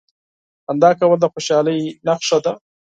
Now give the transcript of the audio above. • خندا کول د خوشالۍ نښه ده.